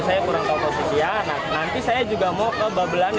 saya kurang tahu posisinya nanti saya juga mau ke babelannya